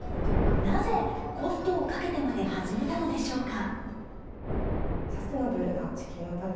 なぜ、コストをかけてまで始めたのでしょうか。